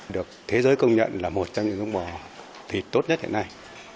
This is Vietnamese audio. được thế giới công nhận là một trong những bò thịt tốt nhất hiện nay